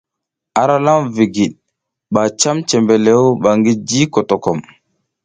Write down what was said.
Ara lam vigid ba cam cebelew ba ngi ji kotokom.